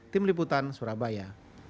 tim liputan surabaya